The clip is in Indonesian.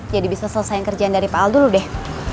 jadi bisa selesaikan kerjaan dari pak al dulu deh